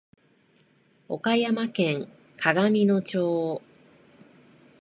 岡山県鏡野町